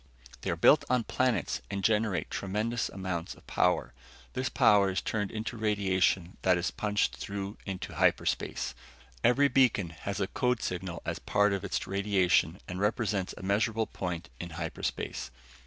They are built on planets and generate tremendous amounts of power. This power is turned into radiation that is punched through into hyperspace. Every beacon has a code signal as part of its radiation and represents a measurable point in hyperspace.